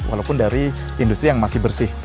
walaupun dari industri yang masih bersih